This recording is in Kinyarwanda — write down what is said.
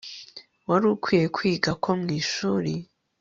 wari ukwiye kwiga ko mwishuri